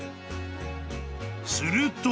［すると］